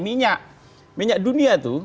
minyak minyak dunia itu